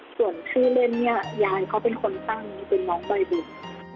ส่วนชื่อเล่นเนี่ยยายเขาเป็นคนตั้งเป็นน้องใบบุญ